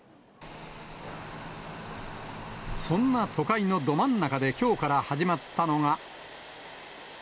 そんな都会のど真ん中できょうから始まったのが。